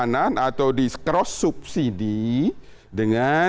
dengan sektor hulu dia akan meluang untuk memperoleh keuntungan